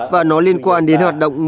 và nó liên quan đến hoạt động mua hàng